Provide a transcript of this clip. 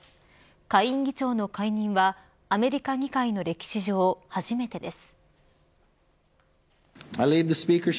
下院議長の解任はアメリカ議会の歴史上初めてです。